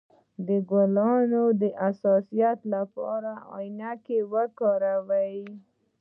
د ګلانو د حساسیت لپاره عینکې وکاروئ